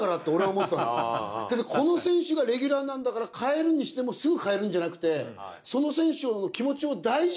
この選手がレギュラーなんだから替えるにしてもすぐ替えるんじゃなくて。